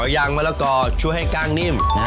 ยางมะละกอช่วยให้กล้างนิ่ม